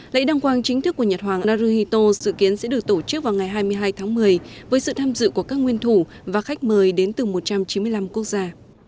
lễ đăng quang chính thức của nhật hoàng naruhito dự kiến sẽ được tổ chức vào ngày hai mươi hai tháng một mươi với sự tham dự của các nguyên thủ và khách mời đến từ một trăm chín mươi năm quốc gia